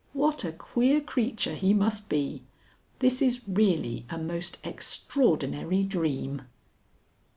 What a queer creature he must be! This is really a most extraordinary Dream!"